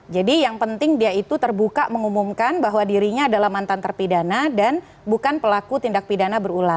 jadi yang penting dia itu terbuka mengumumkan bahwa dirinya adalah mantan terpidana dan bukan pelaku tindak pidana